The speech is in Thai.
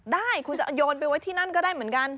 ได้คุณจะโยนไปไว้ที่นั่นก็ได้เหมือนกัน